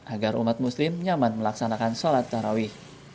agar umat muslim nyaman melaksanakan sholat tarawih